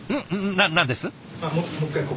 な何です？